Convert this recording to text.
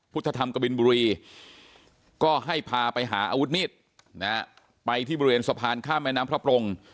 พุทธธรรมกบินบุรีก็ให้พาไปหาอาวุธมีดนะฮะไปที่บริเวณสะพานข้ามแม่น้ำพระปรง